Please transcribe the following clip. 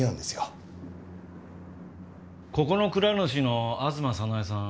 ここの蔵主の吾妻早苗さん